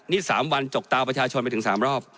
นี่๓วันจกตาประชาชนไปถึง๓รอบ